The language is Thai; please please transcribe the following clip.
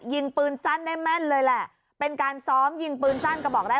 ยิงปืนสั้นได้แม่นเลยแหละเป็นการซ้อมยิงปืนสั้นกระบอกแรก